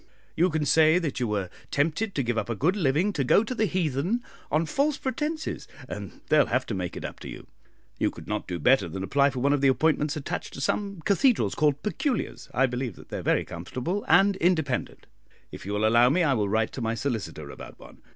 You can say that you were tempted to give up a good living to go to the heathen on false pretences, and they'll have to make it up to you. You could not do better than apply for one of the appointments attached to some cathedrals, called 'Peculiars.' I believe that they are very comfortable and independent. If you will allow me I will write to my solicitor about one.